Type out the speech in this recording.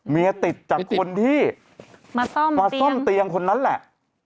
เมียติดจากคนที่มาซ่อมมาซ่อมเตียงคนนั้นแหละ